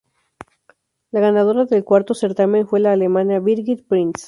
La ganadora del cuarto certamen fue la alemana Birgit Prinz.